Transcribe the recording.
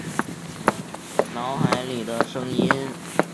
脑海里的声音